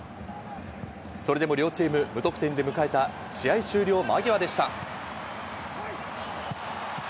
それでも両チーム無得点で迎えた試合終了間際でした。